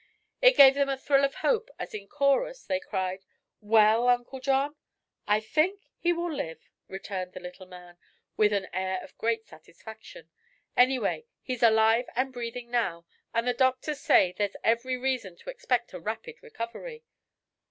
It gave them a thrill of hope as in chorus they cried: "Well Uncle John?" "I think he will live," returned the little man, with an air of great satisfaction. "Anyway, he's alive and breathing now, and the doctors say there's every reason to expect a rapid recovery."